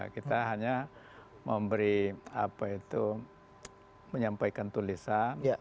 kita hanya memberi apa itu menyampaikan tulisan